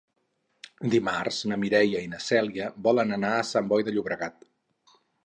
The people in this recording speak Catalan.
Dimarts na Mireia i na Cèlia volen anar a Sant Boi de Llobregat.